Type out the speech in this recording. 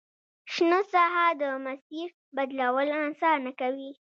شنه ساحه د مسیر بدلول اسانه کوي